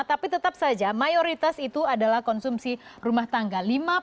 tapi tetap saja mayoritas itu adalah konsumsi rumah tangga